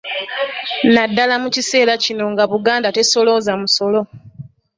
Nnaddala mu kiseera kino nga Buganda tesolooza musolo.